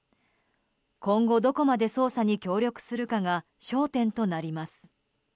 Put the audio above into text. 今後、どこまで捜査に協力するかが焦点となります。